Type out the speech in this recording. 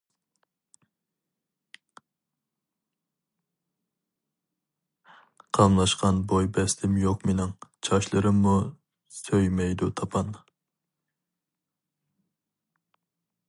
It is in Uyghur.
قاملاشقان بوي بەستىم يوق مىنىڭ، چاچلىرىممۇ سۆيمەيدۇ تاپان.